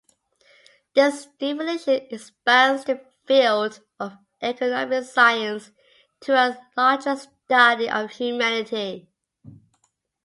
This definition expands the field of economic science to a larger study of humanity.